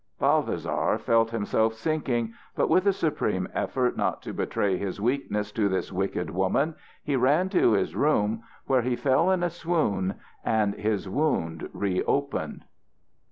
Balthasar felt himself sinking, but with a supreme effort not to betray his weakness to this wicked woman, he ran to his room where he fell in a swoon and his wound re opened.